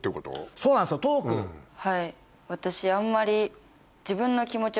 はい私あんまり。